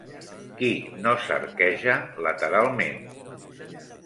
Qui no s'arqueja lateralment?